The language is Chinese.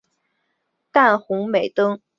淡红美登木为卫矛科美登木属下的一个种。